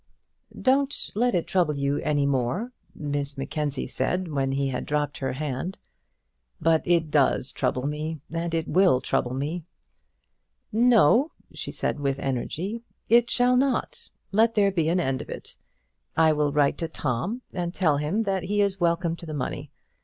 "Don't let it trouble you any more," Miss Mackenzie said, when he had dropped her hand. "But it does trouble me, and it will trouble me." "No," she said, with energy, "it shall not; let there be an end of it. I will write to Tom, and tell him that he is welcome to the money.